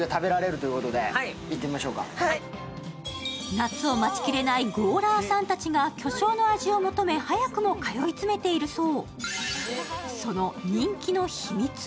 夏を待ちきれないごおらーさんたちが巨匠の味を求め早くも通い詰めているそう。